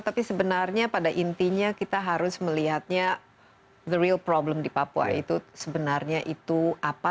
tapi sebenarnya pada intinya kita harus melihatnya the real problem di papua itu sebenarnya itu apa